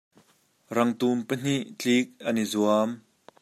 Rangtum pahnih tlik an i zuam.